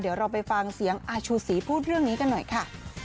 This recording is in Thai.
เดี๋ยวเราไปฟังเสียงอาชูศรีพูดเรื่องนี้กันหน่อยค่ะ